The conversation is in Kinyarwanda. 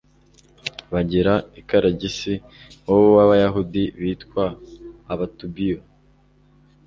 bagera i karagisi, iwabo w'abayahudi bitwa abatubiyo